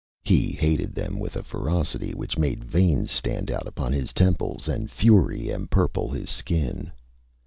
He hated them with a ferocity which made veins stand out upon his temples and fury empurple his skin.